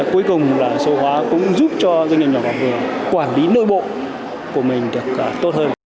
cuối cùng là số hóa cũng giúp cho doanh nghiệp nhỏ và vừa quản lý nội bộ của mình được tốt hơn